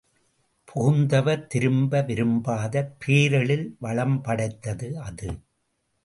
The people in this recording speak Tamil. புகுந்தவர் திரும்ப விரும்பாத பேரெழில் வளம்படைத்தது அது.